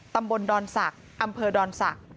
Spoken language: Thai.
ตำบลดอนสักอำเภอดอนสัก